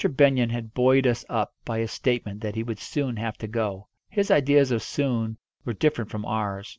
Benyon had buoyed us up by his statement that he would soon have to go. His ideas of soon were different from ours.